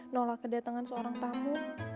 nolak kedatengan seorang tamu